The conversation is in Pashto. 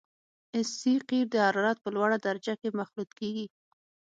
اس سي قیر د حرارت په لوړه درجه کې مخلوط کیږي